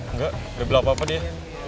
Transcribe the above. enggak dia bilang apa apa dia